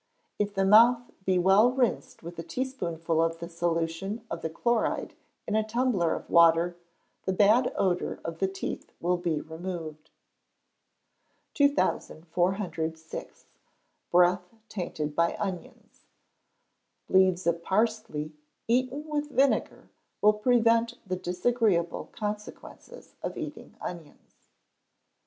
If the mouth be well rinsed with a teaspoonful of the solution of the chloride in a tumbler of water, the bad odour of the teeth will be removed. 2406. Breath tainted by Onions. Leaves of parsley, eaten with vinegar, will prevent the disagreeable consequences of eating onions.